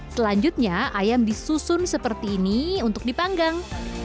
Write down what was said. selanjutnya ayam disusun seperti ini untuk dipanggang